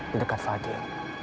di dekat fadil